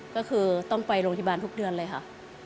ก็คือต้องไปโรงพยาบาลทุกเดือนเลยค่ะ